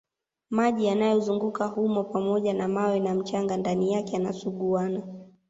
Maji yanayozunguka humo pamoja na mawe na mchanga ndani yake yanasuguana